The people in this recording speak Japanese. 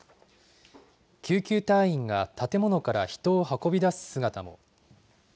救急隊員が建物から人を運び出す姿も。